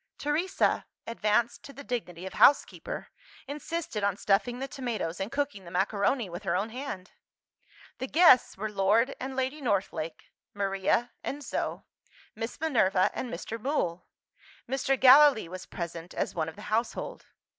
Teresa (advanced to the dignity of housekeeper) insisted on stuffing the tomatoes and cooking the macaroni with her own hand. The guests were Lord and Lady Northlake; Maria and Zo; Miss Minerva and Mr. Mool. Mr. Gallilee was present as one of the household.